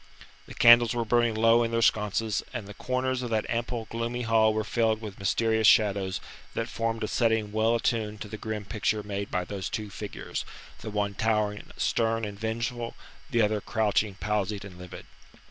The candles were burning low in their sconces, and the corners of that ample, gloomy hall were filled with mysterious shadows that formed a setting well attuned to the grim picture made by those two figures the one towering stern and vengeful, the other crouching palsied and livid.